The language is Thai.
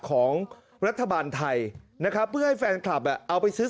ของรัฐบาลไทยนะครับเพื่อให้แฟนคลับอ่ะเอาไปซื้อ